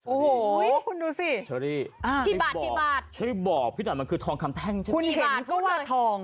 โอ้โหคุณดูสิเชอรี่พี่บอกพี่ด่านมันคือทองคำแท่งใช่ไหมครับคุณเห็นก็ว่าทอง